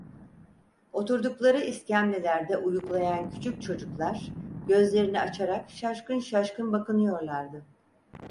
Oturdukları iskemlelerde uyuklayan küçük çocuklar gözlerini açarak şaşkın şaşkın bakınıyorlardı.